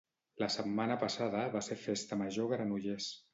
La setmana passada va ser Festa Major a Granollers